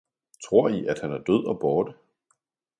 Tror I at han er død og borte?